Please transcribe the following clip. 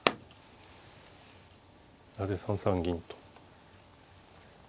なぜ３三銀と。